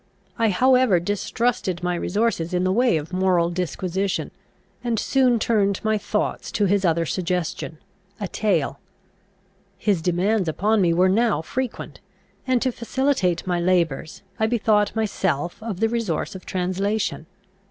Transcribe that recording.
I however distrusted my resources in the way of moral disquisition, and soon turned my thoughts to his other suggestion, a tale. His demands upon me were now frequent, and, to facilitate my labours, I bethought myself of the resource of translation.